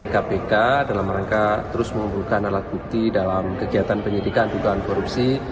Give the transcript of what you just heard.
kpk dalam rangka terus mengumpulkan alat bukti dalam kegiatan penyidikan dugaan korupsi